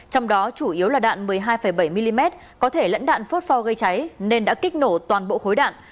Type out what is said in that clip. trong đó chủ yếu là đạn một mươi hai bảy mm có thể lẫn đạn phốt pho gây cháy nên đã kích nổ toàn bộ khối đạn